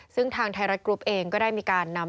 ซึ่งทางไทยรัฐกรุ๊ปเองก็ได้มีการนำ